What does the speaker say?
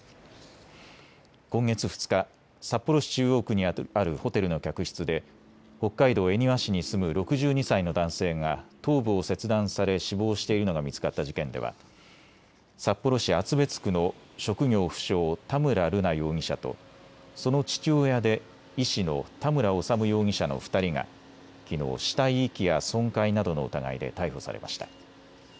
今月２日、札幌市中央区にあるホテルの客室で北海道恵庭市に住む６２歳の男性が頭部を切断され死亡しているのが見つかった事件では札幌市厚別区の職業不詳、田村瑠奈容疑者とその父親で医師の田村修容疑者の２人がきのう死体遺棄や損壊などの疑いで逮捕されました。